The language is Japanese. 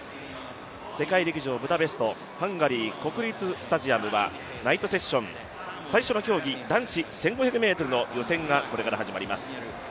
世界陸上ブダペストハンガリー国立スタジアムはナイトセッション最初の競技、男子１５００ｍの予選がこれから始まります。